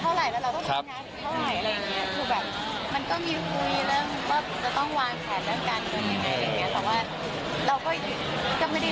อย่างเงี้ยแต่ว่าเราก็ก็ไม่ได้รีบก็ยังทำงานเรื่อยเรื่อย